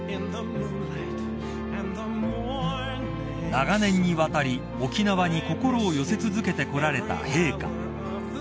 ［長年にわたり沖縄に心を寄せ続けてこられた陛下］